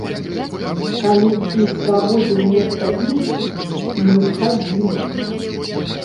Калі б іх праводзіў нехта іншы, мы б хадзілі.